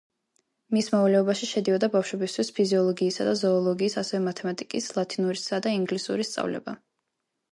მის მოვალეობაში შედიოდა ბავშვებისთვის ფიზიოლოგიისა და ზოოლოგიის, ასევე მათემატიკის, ლათინურის და ინგლისურის სწავლება.